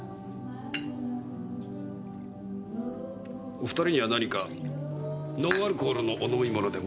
お２人には何かノンアルコールのお飲み物でも。